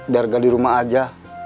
darga di rumah aja